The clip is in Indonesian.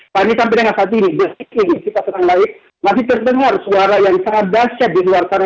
pani sampai dengan saat ini berhenti kita terang laik masih terdengar suara yang sangat dasar di luar sana